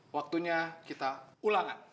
waktunya kita ulangan